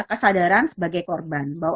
kesadaran sebagai korban bahwa